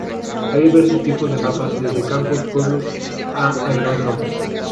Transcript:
Hay diversos tipos de mapas, desde campos, pueblos a aeródromos.